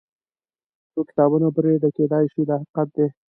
څو کتابونه پرې ډکېدای شي دا حقیقت دی.